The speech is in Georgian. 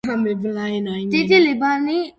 დიდი ლიბანი მოგვიანებით გახდა თანამედროვე ლიბანი.